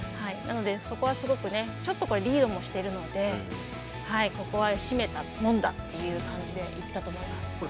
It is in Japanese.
なので、そこはすごくねちょっとこれリードもしてるのでここはしめたもんだという感じで行ったと思います。